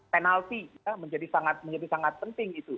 penalty menjadi sangat penting